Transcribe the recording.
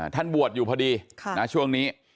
ท่านบวชอยู่พอดีช่วงนี้